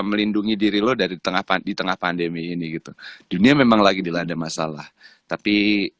melindungi diri lo dari tengah pandemi ini gitu dunia memang lagi dilanda masalah tapi